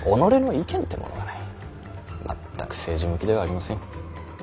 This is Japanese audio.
全く政治向きではありません。